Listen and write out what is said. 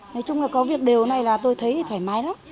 nói chung là có việc đều này là tôi thấy thoải mái